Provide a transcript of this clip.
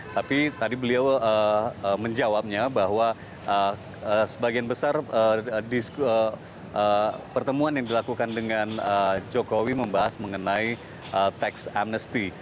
tapi tadi beliau menjawabnya bahwa sebagian besar pertemuan yang dilakukan dengan jokowi membahas mengenai tax amnesty